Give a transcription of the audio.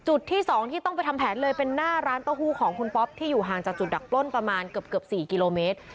จุดที่๒ที่ต้องไปทำแผนเลยเป็นหน้าร้านเต้าหู้ของคุณป๊อปที่อยู่ห่างจากจุดดักปล้นประมาณเกือบ๔กิโลเมตร